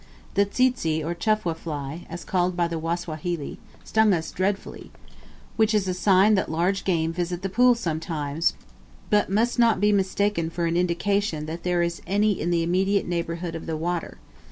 The tsetse or chufwa fly, as called by the Wasawahili, stung us dreadfully, which is a sign that large game visit the pool sometimes, but must not be mistaken for an indication that there is any in the immediate neighbourhood of the water.